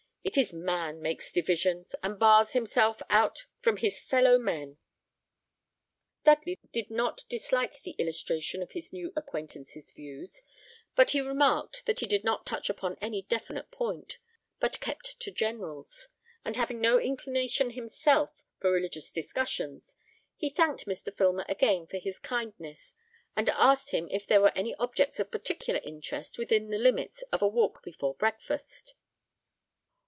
It is man makes divisions, and bars himself out from his fellow men." Dudley did not dislike the illustration of his new acquaintance's views; but he remarked that he did not touch upon any definite point, but kept to generals; and having no inclination himself for religious discussions, he thanked Mr. Filmer again for his kindness, and asked him if there were any objects of particular interest within the limits of a walk before breakfast.